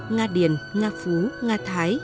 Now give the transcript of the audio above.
nga điền nga phú nga thái